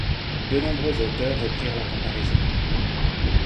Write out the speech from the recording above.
De nombreux auteurs reprirent la comparaison.